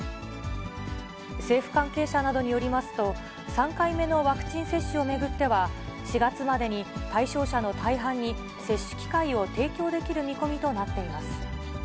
政府関係者などによりますと、３回目のワクチン接種を巡っては、４月までに対象者の大半に接種機会を提供できる見込みとなっています。